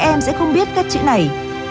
các em sẽ không biết các chữ này